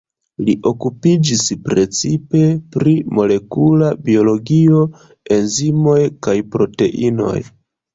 Li okupiĝis precipe pri molekula biologio, enzimoj kaj proteinoj.